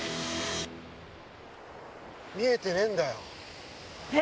見えてねえんだよ。